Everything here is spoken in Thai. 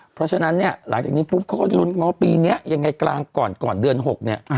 เพราะฉะนั้นเนี่ยหลังจากนี้ปุ๊บเขาก็จะลุ้นกันว่าปีนี้ยังไงกลางก่อนก่อนเดือน๖เนี่ย